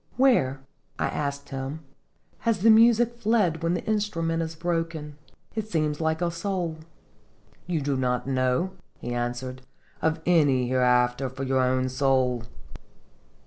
"Where," I asked him, "has the music fled when the instrument is broken? It seems like a soul." "You do not know," he answered, "of any hereafter for your own soul